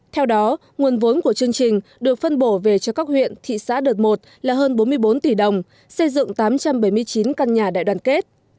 theo đó nguồn vốn của chương trình được phân bổ về cho các huyện thị xã đợt một là hơn bốn mươi bốn tỷ đồng xây dựng tám trăm bảy mươi chín căn nhà đại đoàn kết